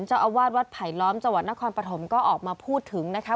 เจ้าอาวาสวัดไผลล้อมจังหวัดนครปฐมก็ออกมาพูดถึงนะคะ